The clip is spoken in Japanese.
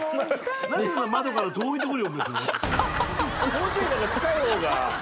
もうちょい近い方が。